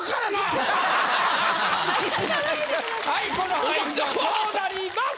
はいこの俳句はこうなります。